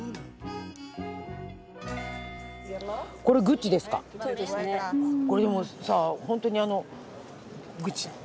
これでもさ本当にあのグッチ。